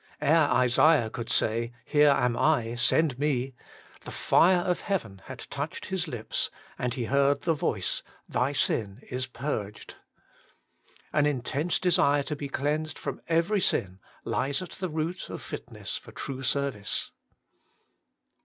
Ere Isaiah could say, ' Here am I, send me,' the fire of heaven had touched his lips, and he heard the voice, ' Thy sin is purged.' An intense desire to be cleansed from every sin lies at the root of fitness for true service.